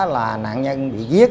là nạn nhân bị giết